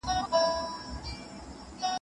ته باید له ننګونو سره مبارزه وکړې.